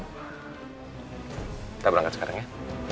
kita berangkat sekarang ya